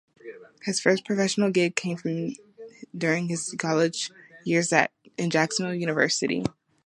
His first professional gig came during his college years in Jacksonville University.